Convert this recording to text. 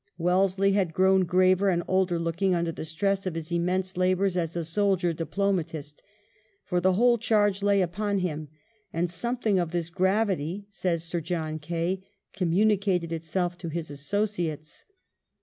Wellesley had grown graver and older looking under the stress of his immense labours as a soldier diplomatist; for the whole charge lay upon him, and "something of this gravity," says Sir John Kaye, "communicated itself to his associates.